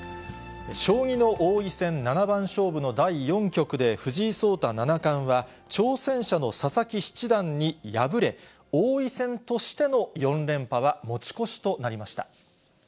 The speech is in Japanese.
将棋の王位戦七番勝負の第４局で藤井聡太七冠は、挑戦者の佐々木七段に敗れ、王位戦としての４連覇は持ち越しとなりました。